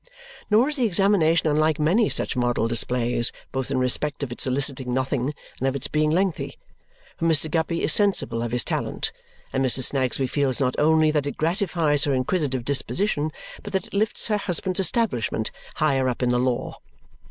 Nor is the examination unlike many such model displays, both in respect of its eliciting nothing and of its being lengthy, for Mr. Guppy is sensible of his talent, and Mrs. Snagsby feels not only that it gratifies her inquisitive disposition, but that it lifts her husband's establishment higher up in the law.